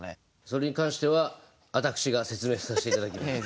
それに関してはあたくしが説明さしていただきます。